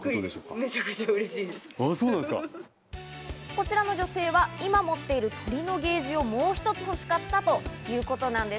こちらの女性は今、持っている鳥のケージをもう一つ欲しかったということなんです。